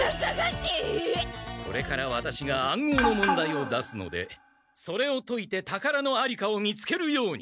これからワタシが暗号の問題を出すのでそれを解いてたからのありかを見つけるように。